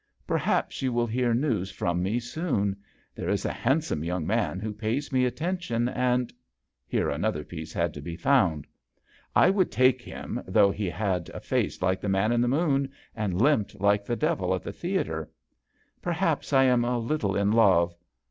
" Per haps you will hear news from me soon. There is a handsome young man who pays me atten tion, and " Here another piece had to be found. " I would take him though he had a face like the man in the moon, and limped like the devil at the theatre. Perhaps I am a little in love.